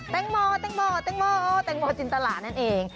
แต้งหมอแต้งหมอแต้งหมอแต้งหมอจินตลาดนั่นเอง